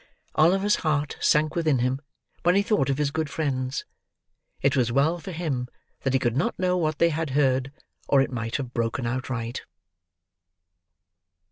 Oliver's heart sank within him, when he thought of his good friends; it was well for him that he could not know what they had heard, or it might have broken outright.